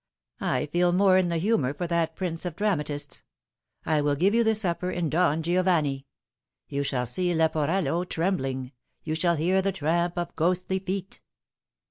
" I feel more in the humour for that prince of dramatists. I will give you the supper in Don Giovanni. You shall see Leporello trembling. You shall hear the tramp of ghostly feet."